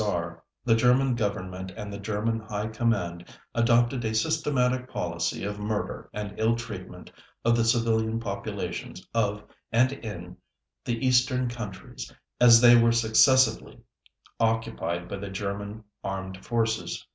R., the German Government and the German High Command adopted a systematic policy of murder and ill treatment of the civilian populations of and in the Eastern Countries as they were successively occupied by the German Armed Forces.